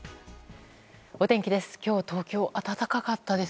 お天気です。